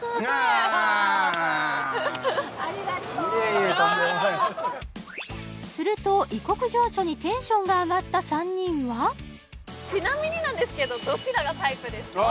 いえいえとんでもないすると異国情緒にテンションが上がった３人はちなみになんですけどどちらがタイプですか？